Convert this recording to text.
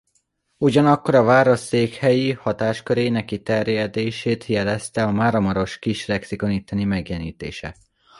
Ugyanakkor a város székhelyi hatáskörének kiterjedését jelezte a Máramarosi Kis Lexikon itteni megjelentetése.